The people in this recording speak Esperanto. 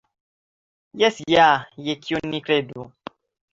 Jes ja, je kio ni kredu?